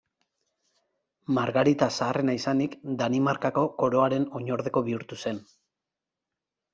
Margarita zaharrena izanik Danimarkako Koroaren oinordeko bihurtu zen.